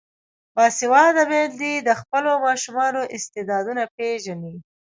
باسواده میندې د خپلو ماشومانو استعدادونه پیژني.